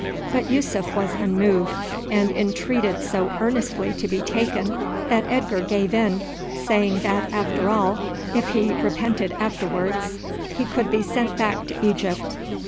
But Yussuf was unmoved, and entreated so earnestly to be taken that Edgar gave in, saying that after all, if he repented afterwards, he could be sent back to Egypt.